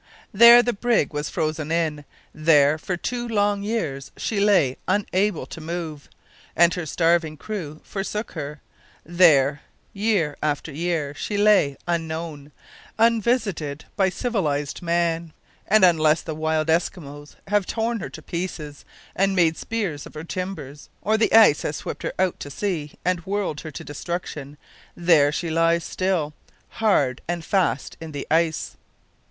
There the brig was frozen in; there, for two long years, she lay unable to move, and her starving crew forsook her; there, year after year, she lay, unknown, unvisited by civilised man, and unless the wild Eskimos [see note 1] have torn her to pieces, and made spears of her timbers, or the ice has swept her out to sea and whirled her to destruction, there she lies still hard and fast in the ice.